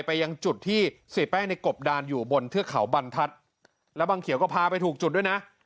ไปยังจุดที่เสียแป้งในกบดานอยู่บนเทือกเขาบรรทัศน์แล้วบังเขียวก็พาไปถูกจุดด้วยนะ